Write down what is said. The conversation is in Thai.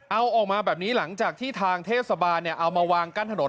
เอาออกมาแบบนี้หลังจากที่ทางเทศบาลเอามาวางกั้นถนน